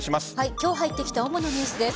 今日入ってきた主なニュースです。